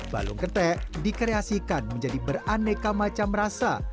balung getek dikreasikan menjadi beraneka macam rasa